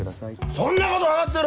そんなこと分かってる！